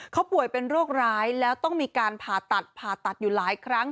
เขาป่วยเป็นโรคร้ายแล้วต้องมีการผ่าตัดผ่าตัดอยู่หลายครั้ง